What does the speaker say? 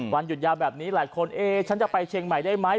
วันหยุดยาวแบบนี้หลายคนเอ๊ฉันจะไปเชียงใหม่ได้ไหม